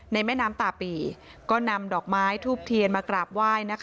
แม่น้ำตาปีก็นำดอกไม้ทูบเทียนมากราบไหว้